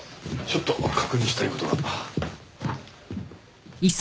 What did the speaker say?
ちょっと確認したい事が。